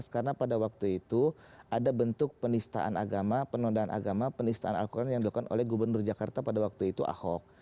karena pada waktu itu ada bentuk penistaan agama penundaan agama penistaan al quran yang dilakukan oleh gubernur jakarta pada waktu itu ahok